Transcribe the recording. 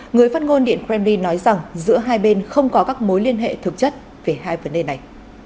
người phát ngôn điện kremlin nói rằng giữa hai bên không có các mối liên hệ thực chất về hai vấn đề này